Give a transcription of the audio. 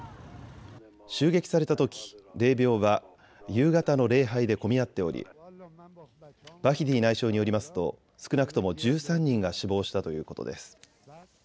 襲撃されたとき、霊びょうは夕方の礼拝で混み合っておりバヒディ内相によりますと少なくとも１３人が死亡したということです。